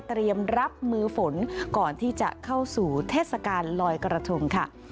เตรียมรับมือฝนก่อนที่จะเข้าสู่เทศกาลลอยกระทงค่ะ